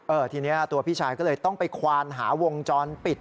ทีนี้ตัวพี่ชายก็เลยต้องไปควานหาวงจรปิด